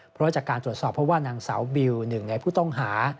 เพราะจากการตรวจสอบเพราะว่านางสาวบิวหนึ่งในผู้ต้องหา